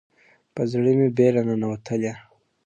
په زړه مې بیره ننوتلې